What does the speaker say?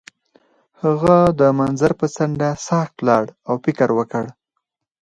هغه د منظر پر څنډه ساکت ولاړ او فکر وکړ.